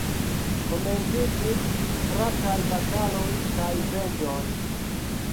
Komenciĝis strataj bataloj kaj venĝoj.